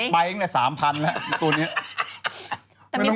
ไปเองแค่๓พันจิตตัวนี้